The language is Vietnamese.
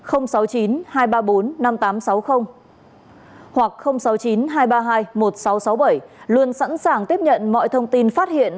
hoặc sáu mươi chín hai trăm ba mươi hai một nghìn sáu trăm sáu mươi bảy luôn sẵn sàng tiếp nhận mọi thông tin phát hiện